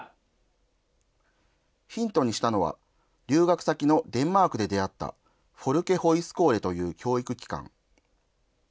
ヒントにしたのは、留学先のデンマークで出会ったフォルケホイスコーレという教育機関。